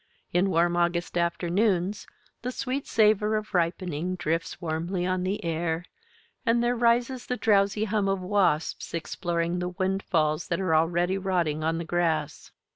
In warm August afternoons the sweet savor of ripening drifts warmly on the air, and there rises the drowsy hum of wasps exploring the windfalls that are already rotting on the grass.